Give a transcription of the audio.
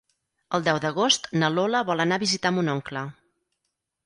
El deu d'agost na Lola vol anar a visitar mon oncle.